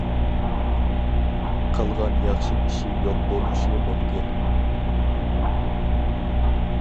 قىلغان ياخشى ئىشى يوق بولۇشى مۇمكىن.